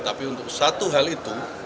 tapi untuk satu hal itu